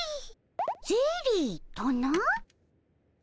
ゼリーとな。